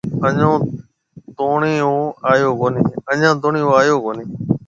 اَڃون توڻِي او آئيو ڪونھيَََ۔